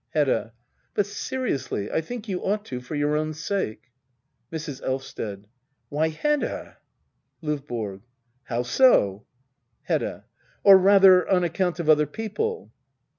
Hedda. But seriously, I think you ought to — for your own sake. Mrs. Elvsted. Why, Hedda ! LdVBORO. How so ? Hedda. Or rather on account of other people.